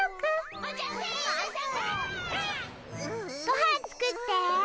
ごはん作って。